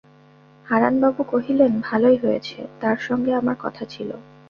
হারানবাবু কহিলেন, ভালোই হয়েছে তাঁর সঙ্গে আমার কথা ছিল।